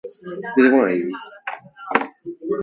She left the cinema after having children.